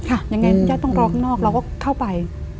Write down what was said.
ยังไงญาติต้องรอข้างนอกเราก็เข้าไป